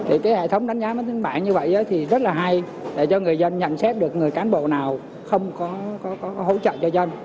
thì cái hệ thống đánh giá mang tính bản như vậy thì rất là hay để cho người dân nhận xét được người cán bộ nào không có hỗ trợ cho dân